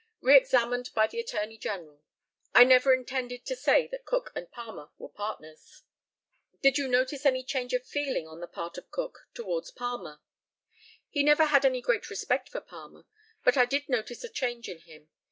] Re examined by the ATTORNEY GENERAL: I never intended to say that Cook and Palmer were partners. Did you notice any change of feeling on the part of Cook towards Palmer? He never had any great respect for Palmer, but I did notice a change in him.